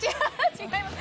違います！